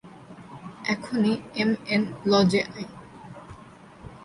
এখনই এমএন লজে আই।